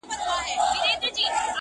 چي په غم او په ښادي کي خوا په خوا سي!